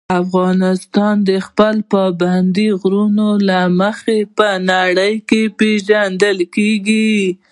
افغانستان د خپلو پابندي غرونو له مخې په نړۍ پېژندل کېږي.